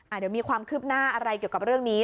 เดี๋ยวมีความคืบหน้าอะไรเกี่ยวกับเรื่องนี้